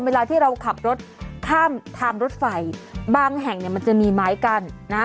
เวลาที่เราขับรถข้ามทางรถไฟบางแห่งเนี่ยมันจะมีไม้กั้นนะฮะ